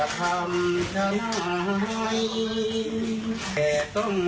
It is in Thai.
ค่ายังทำให้สนับสนับสนุน